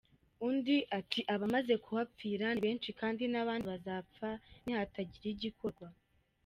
Undi ati “Abamaze kuhapfira ni benshi kandi n’abandi bazapfa nihatagira igikorwa.